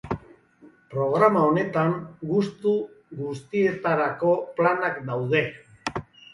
Programa honetan, gustu guztietarako planak daude.